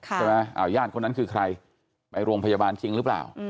อ้าวย่านคนนั้นคือใครไปโรงพยาบาลจริงหรือเปล่า